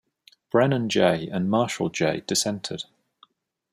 Brennan J and Marshall J dissented.